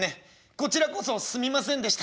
「こちらこそすみませんでした。